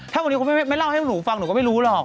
ถ้าวันนี้คุณไม่เล่าให้พวกหนูฟังหนูก็ไม่รู้หรอก